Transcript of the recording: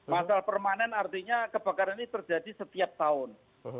masalah permanen artinya kebakaran ini terjadi setiap tahun